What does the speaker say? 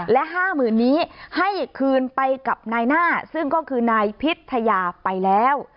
และ๕๐๐๐นี้ให้คืนไปกับนายหน้าซึ่งก็คือนายพิทยาไปแล้ว